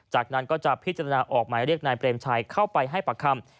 จากนั้นก็จะพิจารณาออกหมายเรียกนายเปรมชัยเข้าไปให้ปากคำ